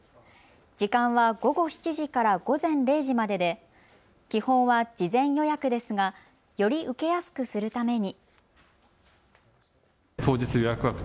時間は午後７時から午前０時までで基本は事前予約ですがより受けやすくするために。